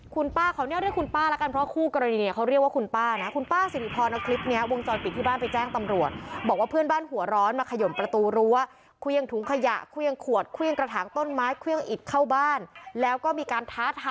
คุณป้าเขาเรียกว่าคุณป้าแล้วกัน